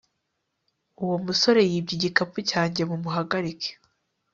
Uwo musore yibye igikapu cyanjye Mumuhagarike